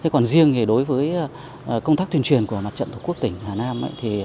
còn riêng đối với công tác tuyên truyền của mặt trận thủ quốc tỉnh hà nam